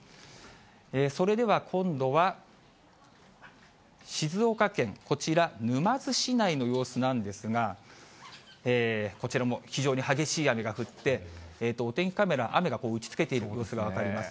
それでは今度は、静岡県、こちら沼津市内の様子なんですが、こちらも非常に激しい雨が降って、お天気カメラ、雨が打ちつけている様子が分かります。